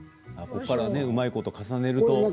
ここからねうまいこと重ねると。